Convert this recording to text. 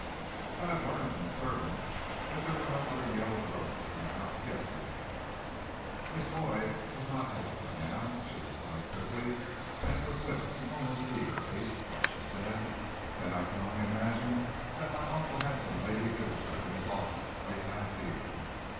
"But I have learned from the servants that there were no other yellow roses in the house yesterday." Miss Lloyd was not hesitant now. She replied quickly, and it was with an almost eager haste that she said, "Then I can only imagine that my uncle had some lady visitor in his office late last evening."